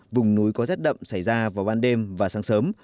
vùng núi có rét đậm xảy ra vào ban đêm và sáng sớm